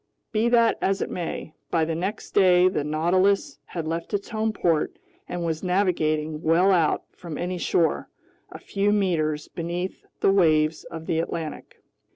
Be that as it may, by the next day the Nautilus had left its home port and was navigating well out from any shore, a few meters beneath the waves of the Atlantic.